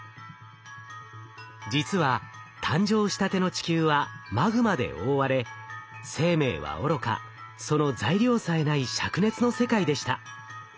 実は誕生したての地球はマグマで覆われ生命はおろかその材料さえないしゃく熱の世界でした。